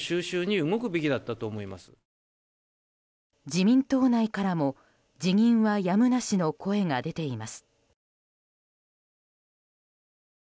自民党内からも辞任はやむなしの声が出ています。